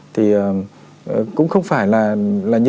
thì cũng không phải là